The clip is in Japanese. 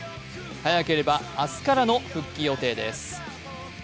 早ければ明日からの復帰予定です。